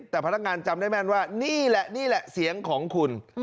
แต่พนักงานจำได้แม่นว่านี่แหละนี่แหละเสียงของคุณ